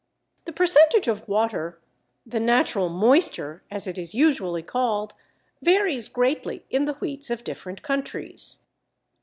The percentage of water, the natural moisture as it is usually called, varies greatly in the wheats of different countries.